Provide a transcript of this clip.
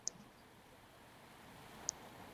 Mu basuuliddwa kuliko Hajji Abdul Nadduli